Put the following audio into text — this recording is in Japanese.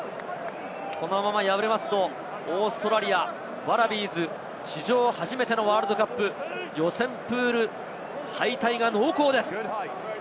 このまま敗れると、オーストラリア・ワラビーズ、史上初めてのワールドカップ、予選プール敗退が濃厚です。